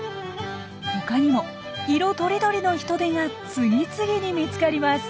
他にも色とりどりのヒトデが次々に見つかります。